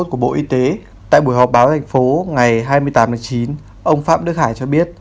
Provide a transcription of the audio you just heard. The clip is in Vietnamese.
của bộ y tế tại buổi họp báo thành phố ngày hai mươi tám tháng chín ông phạm đức hải cho biết